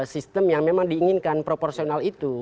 sistem yang memang diinginkan proporsional itu